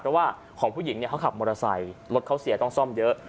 เพราะว่าของผู้หญิงเนี่ยเขาขับมอเตอร์ไซค์รถเขาเสียต้องซ่อมเยอะ